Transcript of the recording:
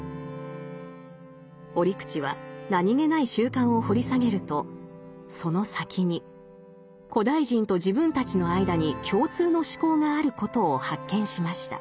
折口は何気ない習慣を掘り下げるとその先に古代人と自分たちの間に共通の思考があることを発見しました。